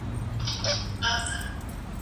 يا نه کم، چي کم نو د خره کم.